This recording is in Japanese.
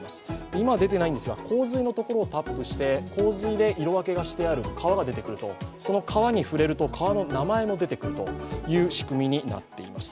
今出ていないんですが洪水のところをタップして、洪水で色分けがしてある川が出てくるとその川に触れると川の名前も出てくるという仕組みになっています。